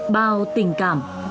bao tình cảm